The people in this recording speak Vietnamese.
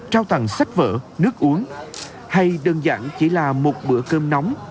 trao tặng sách vở nước uống hay đơn giản chỉ là một bữa cơm nóng